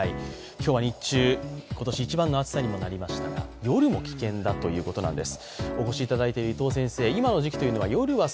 今日は日中、今年一番の暑さにもなりましたが夜も危険ということです。